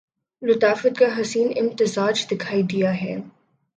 لطافت کا حسین امتزاج دکھائی دیتا ہے